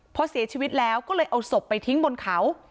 พอเสียชีวิตแล้วก็เลยเอาศพไปทิ้งบนเขา